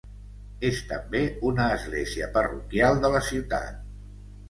És també una església parroquial de la ciutat.